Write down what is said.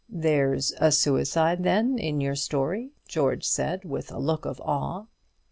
"There's a suicide, then, in your story?" George said, with a look of awe.